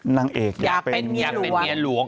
นางเอกอยากเป็นเมียหลวง